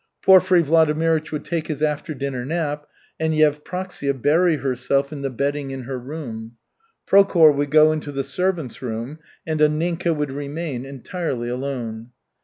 Porfiry Vladimirych would take his after dinner nap and Yevpraksia bury herself in the bedding in her room. Prokhor would go into the servants' room, and Anninka would remain entirely alone.